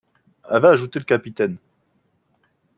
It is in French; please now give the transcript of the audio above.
avait ajouté le capitaine.